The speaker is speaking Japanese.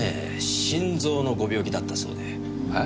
心臓のご病気だったそうで。え？